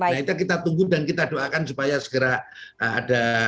nah itu kita tunggu dan kita doakan supaya segera ada